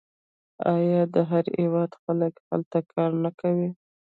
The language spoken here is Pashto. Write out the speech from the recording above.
آیا د هر هیواد خلک هلته کار نه کوي؟